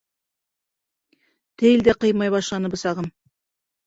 Тел дә ҡыймай башланы бысағым.